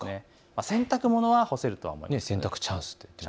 洗濯物は干せるとは思います。